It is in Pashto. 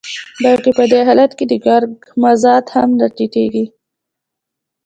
بلکې په دې حالت کې د کارګر مزد هم راټیټېږي